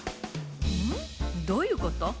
うん？どういうこと？